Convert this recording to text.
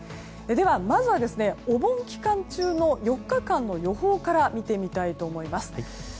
では、まずはお盆期間中の４日間の予報から見てみたいと思います。